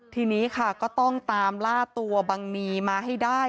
ทีนี้ค่ะก็ต้องตามล่าตัวบังนีมาให้ได้